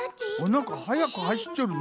なんかはやくはしっちょるの。